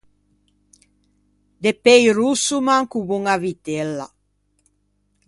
De pei rosso, manco boña a vitella.